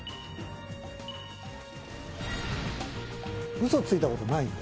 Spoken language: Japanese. ウソついたことないんで。